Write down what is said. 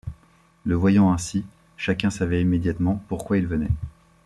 Le voyant ainsi, chacun savait immédiatement pourquoi il venait.